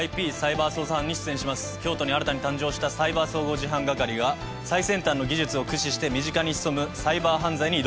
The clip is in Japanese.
京都に新たに誕生したサイバー総合事犯係が最先端の技術を駆使して身近に潜むサイバー犯罪に挑みます。